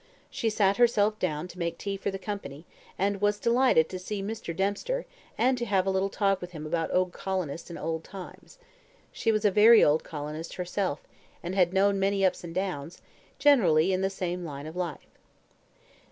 She sat down herself to make tea for the company, and was delighted to see Mr. Dempster, and to have a little talk with him about old colonists and old times. She was a very old colonist herself, and had known many ups and downs, generally in the same line of life.